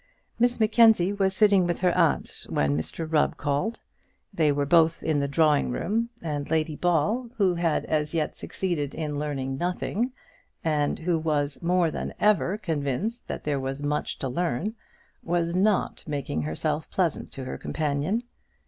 Miss Mackenzie was sitting with her aunt when Mr Rubb called. They were both in the drawing room; and Lady Ball, who had as yet succeeded in learning nothing, and who was more than ever convinced that there was much to learn, was not making herself pleasant to her companion.